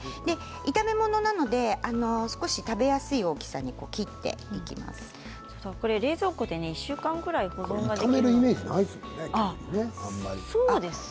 炒め物なので少し食べやすい大きさに冷蔵庫で２週間ぐらい保存ができます。